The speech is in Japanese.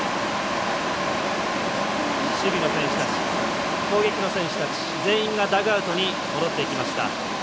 守備の選手たち、攻撃の選手たち全員がダグアウトに戻っていきました。